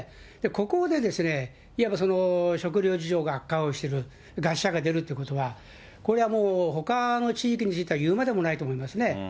ここでいわば食料事情が悪化をしている、餓死者が出るっていうことは、これはもうほかの地域については言うまでもないと思います